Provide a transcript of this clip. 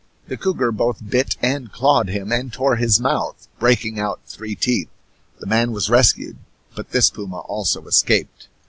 The cougar both bit and clawed him, and tore his mouth, breaking out three teeth. The man was rescued; but this puma also escaped.